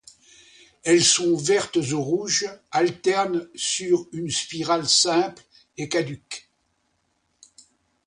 Elles sont vertes ou rouges, alternes sur une spirale simple et caduques.